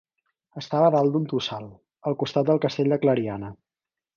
Estava a dalt d'un tossal, al costat del Castell de Clariana.